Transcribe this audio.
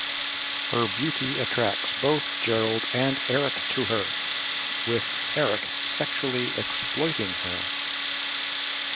Her beauty attracts both Gerald and Eric to her, with Eric sexually exploiting her.